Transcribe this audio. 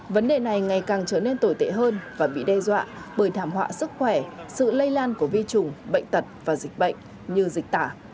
vấn đề này ngày càng trở nên tồi tệ hơn và bị đe dọa bởi thảm họa sức khỏe sự lây lan của vi chủng bệnh tật và dịch bệnh như dịch tả